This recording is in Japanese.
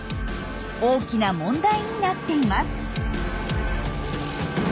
大きな問題になっています。